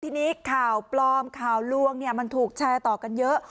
ทีนี้ข่าวปลอมข่าวลวงมันถูกแชร์ต่อกันเยอะ